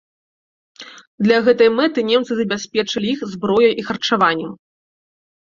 Для гэтай мэты немцы забяспечылі іх зброяй і харчаваннем.